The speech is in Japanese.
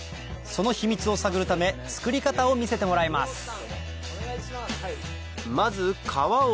その秘密を探るため作り方を見せてもらいます